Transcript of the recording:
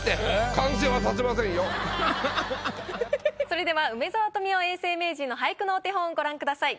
それでは梅沢富美男永世名人の俳句のお手本をご覧ください。